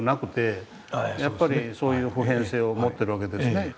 やっぱりそういう普遍性を持ってるわけですね。